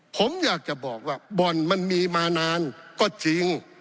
ผมอยากจะบอกว่าบ่อนมันมีมานานก็จริง